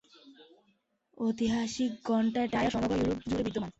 ঐতিহাসিক ঘণ্টা টাওয়ার সমগ্র ইউরোপ জুড়ে বিদ্যমান।